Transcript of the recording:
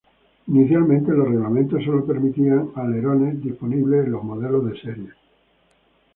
Inicialmente, los reglamentos sólo permitían alerones disponibles en los modelos de serie.